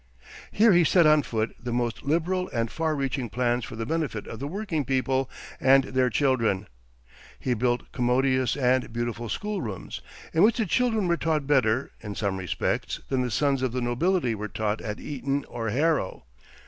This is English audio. Here he set on foot the most liberal and far reaching plans for the benefit of the working people and their children. He built commodious and beautiful school rooms, in which the children were taught better, in some respects, than the sons of the nobility were taught at Eton or Harrow.